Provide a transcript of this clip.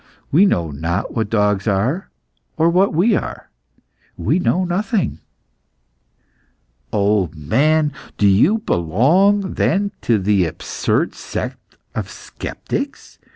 We know not what dogs are or what we are. We know nothing." "Old man, do you belong, then, to the absurd sect of sceptics?